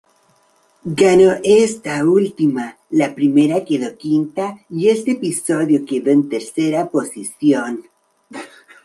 Ganó esta última, la primera quedó quinta y este episodio quedó en tercera posición.